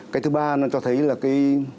cái thứ ba nó cho thấy là cái